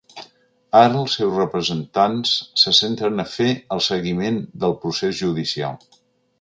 Ara els seus representants se centren a fer el seguiment del procés judicial.